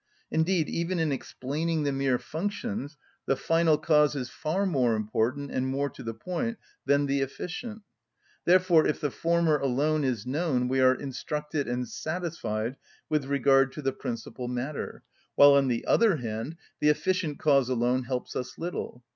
Indeed, even in explaining the mere functions the final cause is far more important and more to the point than the efficient; therefore, if the former alone is known we are instructed and satisfied with regard to the principal matter, while, on the other hand, the efficient cause alone helps us little.